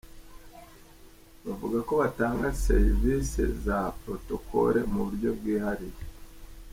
Bavuga ko batanga serivisi za Protocol mu buryo bwihariye.